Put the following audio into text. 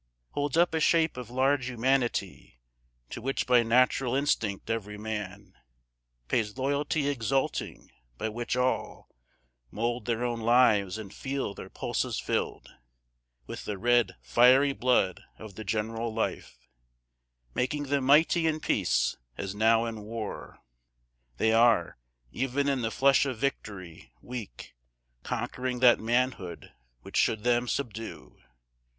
Holds up a shape of large Humanity To which by natural instinct every man Pays loyalty exulting, by which all Mould their own lives, and feel their pulses filled With the red fiery blood of the general life, Making them mighty in peace, as now in war They are, even in the flush of victory, weak, Conquering that manhood which should them subdue.